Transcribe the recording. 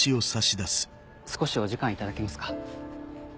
少しお時間頂けますか？